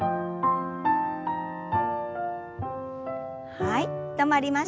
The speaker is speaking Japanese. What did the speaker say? はい止まりましょう。